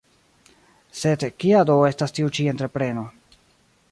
Sed kia do estas tiu ĉi entrepreno.